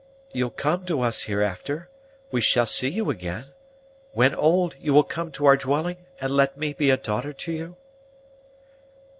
You'll come to us hereafter. We shall see you again. When old, you will come to our dwelling, and let me be a daughter to you?"